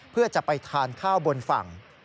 เพื่อจะไปทานข้าวบนฝั่ง